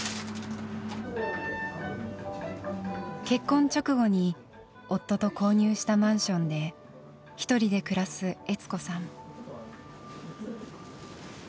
結婚直後に夫と購入したマンションで一人で暮らす悦子さん。